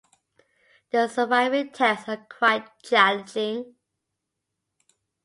The surviving texts are quite challenging.